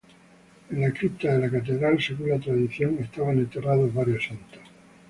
En la cripta de la catedral, según la tradición, estaban enterrados varios santos.